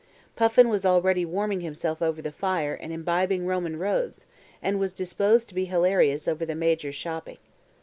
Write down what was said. Puffin was already warming himself over the fire and imbibing Roman roads, and was disposed to be hilarious over the Major's shopping.